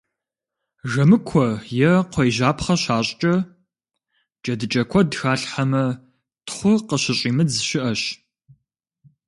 Жэмыкуэ е кхъуейжьапхъэ щащӏкӏэ джэдыкӏэ куэд халъхьэмэ, тхъу къыщыщӏимыдз щыӏэщ.